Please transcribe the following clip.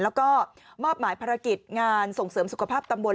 แล้วก็มอบหมายภารกิจงานส่งเสริมสุขภาพตำบล